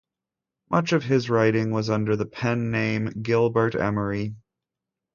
Much of his writing was under the pen name Gilbert Emery.